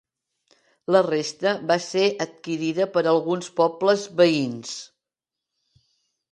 La resta va ser adquirida per alguns pobles veïns.